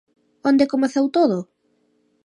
Onde comezou todo?